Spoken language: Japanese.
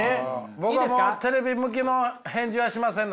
僕はもうテレビ向きの返事はしませんので。